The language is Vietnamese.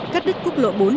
cắt đứt quốc lộ bốn